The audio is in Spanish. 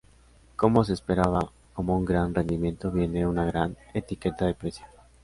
Como se esperaba, con un gran rendimiento viene una gran etiqueta de precio.